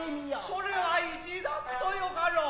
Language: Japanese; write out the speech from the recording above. それは一段とよかろう。